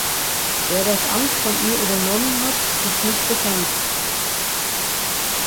Wer das Amt von ihr übernommen hat ist nicht bekannt.